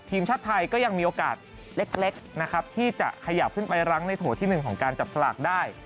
ทีมชาติไทยก็ยังมีโอกาสเล็กนะครับที่จะขยับขึ้นไปรั้งในโถที่๑ของการจับสลากได้